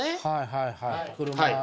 はいはいはい。